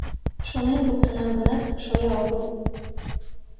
Шонен луктынам гынат, шоя огыл...